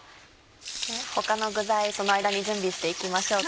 他の具材その間に準備していきましょうか。